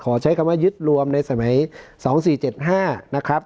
ใช้คำว่ายึดรวมในสมัย๒๔๗๕นะครับ